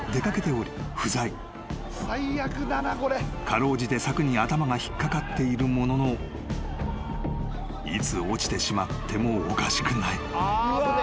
［辛うじて柵に頭が引っ掛かっているもののいつ落ちてしまってもおかしくない］